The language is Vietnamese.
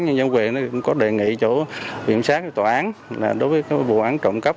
nhân dân huyện nó cũng có đề nghị chỗ viện sát và tòa án là đối với cái vụ án trộm cắp